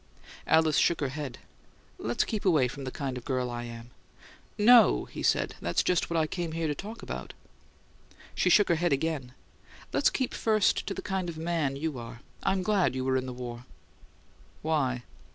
Alice shook her head. "Let's keep away from the kind of girl I am." "No," he said. "That's just what I came here to talk about." She shook her head again. "Let's keep first to the kind of man you are. I'm glad you were in the War." "Why?"